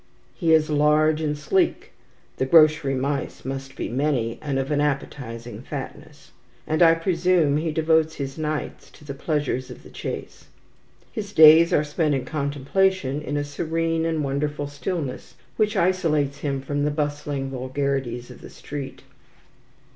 He is large and sleek, the grocery mice must be many, and of an appetizing fatness, and I presume he devotes his nights to the pleasures of the chase. His days are spent in contemplation, in a serene and wonderful stillness, which isolates him from the bustling vulgarities of the street.